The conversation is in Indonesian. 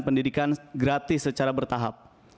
pendidikan gratis secara bertahap